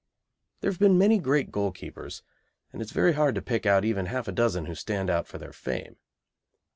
There have been many great goalkeepers, and it is very hard to pick out even half a dozen who stand out for their fame.